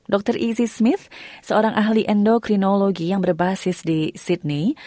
dokter izzy smith seorang ahli endokrinologi yang berbasis di sydney